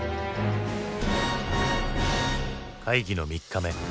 会議の３日目。